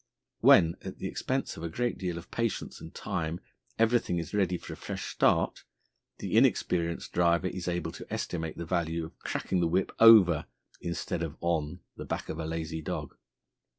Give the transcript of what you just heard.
When, at the expense of a great deal of patience and time, everything is ready for a fresh start, the inexperienced driver is able to estimate the value of cracking the whip over, instead of on, the back of a lazy dog.